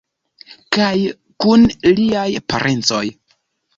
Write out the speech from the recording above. Kaj kun liaj parencoj.